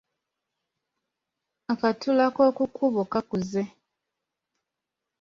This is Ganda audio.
Akatula k’oku kkubo kakuze.